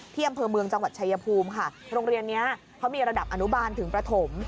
อำเภอเมืองจังหวัดชายภูมิค่ะโรงเรียนนี้เขามีระดับอนุบาลถึงประถม